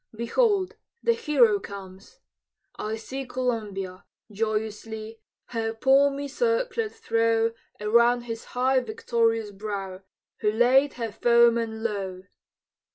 Behold the hero comes! I see Columbia, joyously, Her palmy circlet throw Around his high victorious brow Who laid her foemen low!